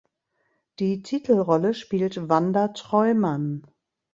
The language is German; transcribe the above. Die Titelrolle spielt Wanda Treumann.